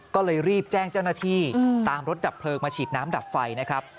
ก็เลยรีบแจ้งเจ้าหน้าที่ตามรถดับเพลิงมาฉีดน้ำดับไฟนะครับ